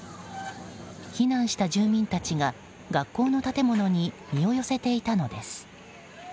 避難した住民たちが学校の建物に身を寄せていたのです。